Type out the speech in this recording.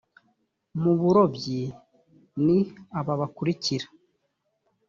mu burobyi ni aba bakurikira